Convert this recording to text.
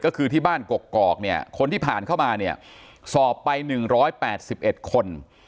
ก็คือที่บ้านกกอกเนี่ยคนที่ผ่านเข้ามาเนี่ยสอบไป๑๘๑คน